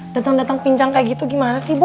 datang datang pinjang kayak gitu gimana sih bu